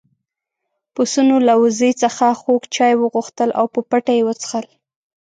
پسونو له وزې څخه خوږ چای وغوښتل او په پټه يې وڅښل.